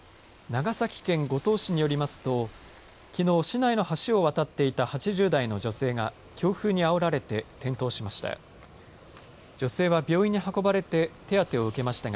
長崎県五島市によりますときのう市内の橋を渡っていた８０代の女性が強風にあおられて転倒しました。